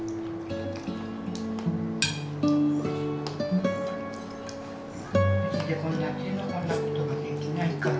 うちでこんな手の込んだことができないから。